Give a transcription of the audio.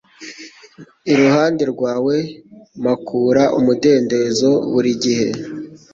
iruhande rwawe mpakura umudendezo burigihe.